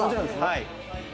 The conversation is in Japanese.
はい。